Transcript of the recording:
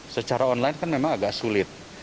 secara online kan memang agak sulit